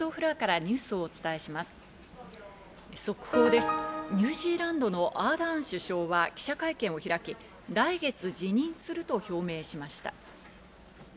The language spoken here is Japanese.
ニュージーランドのアーダーン首相は記者会見を開き、来月辞任すると表明しました。